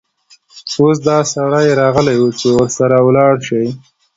اوس دا سړى راغلى وو، چې ورسره ولاړه شې.